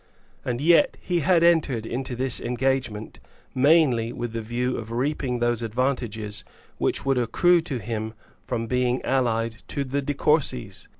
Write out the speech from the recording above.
And yet he had entered into this engagement mainly with the view of reaping those advantages which would accrue to him from being allied to the De Courcys!